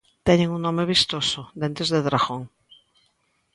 Teñen un nome vistoso, dentes de dragón.